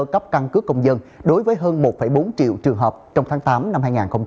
cấp căn cước công dân đối với hơn một bốn triệu trường hợp trong tháng tám năm hai nghìn hai mươi